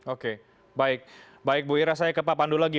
oke baik baik bu ira saya ke pak pandu lagi